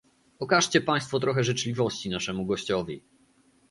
Okażcie państwo trochę życzliwości naszemu gościowi